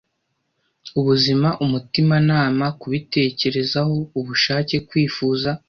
Ubuzima, umutimanama, kubitekerezaho, ubushake, kwifuza,